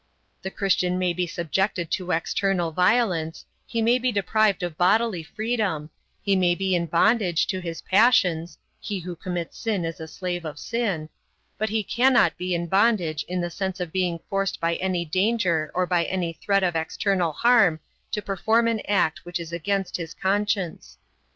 The Christian may be subjected to external violence, he may be deprived of bodily freedom, he may be in bondage to his passions (he who commits sin is the slave of sin), but he cannot be in bondage in the sense of being forced by any danger or by any threat of external harm to perform an act which is against his conscience.